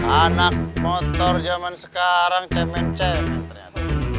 anak motor jamckn sekarang temen temen ternyata